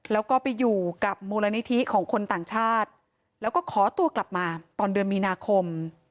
แล้วก็ไปอยู่กับมูลนิธิของคนต่างชาติแล้วก็ขอตัวกลับมาตอนเดือนมีนาคม